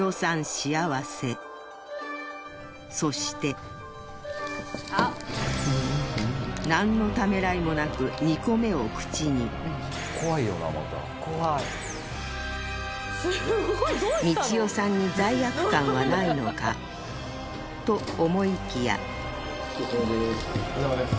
幸せそして何のためらいもなく２個目を口にみちおさんに罪悪感はないのかと思いきやお疲れさまです